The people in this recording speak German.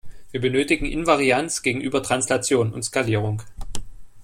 Wir benötigen Invarianz gegenüber Translation und Skalierung.